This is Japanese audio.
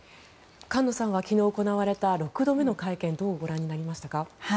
菅野さんは昨日行われた６度目の会見どうご覧になりましたか。